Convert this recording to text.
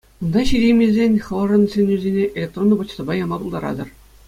Унта ҫитеймесен хӑвӑрӑн сӗнӳсене электронлӑ почтӑпа яма пултаратӑр.